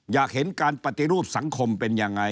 อยากเห็นการปฏิรูปสังคมเป็นยังไง